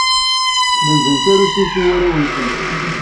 Slemden tarusit i warraw-nsen.